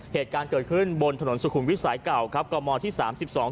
เหตุการณ์เกิดขึ้นบนถนนสุขุมวิทย์สายเก่าครับกมที่สามสิบสอง